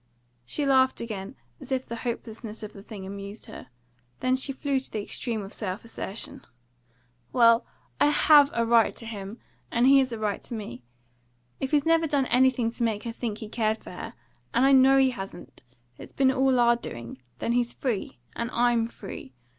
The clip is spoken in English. She laughed again, as if the hopelessness of the thing amused her. Then she flew to the extreme of self assertion. "Well, I HAVE a right to him, and he has a right to me. If he's never done anything to make her think he cared for her, and I know he hasn't; it's all been our doing, then he's free and I'm free.